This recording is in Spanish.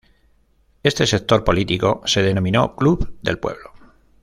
Este sector político se denominó "Club del Pueblo".